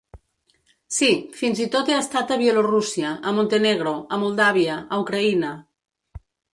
Sí, fins i tot he estat a Bielorússia, a Montenegro, a Moldàvia, a Ucraïna.